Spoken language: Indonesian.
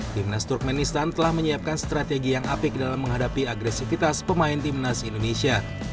kita di sini untuk belajar kita di sini untuk berkembang jadi semuanya akan baik terima kasih